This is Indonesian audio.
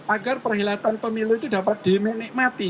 agar perhelatan pemilu itu dapat dinikmati